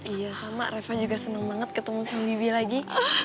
iya sama reva juga senang banget ketemu sama bibi lagi